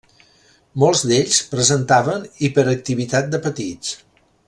Molts d'ells presentaven hiperactivitat de petits.